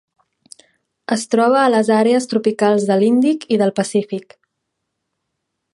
Es troba a les àrees tropicals de l'Índic i del Pacífic.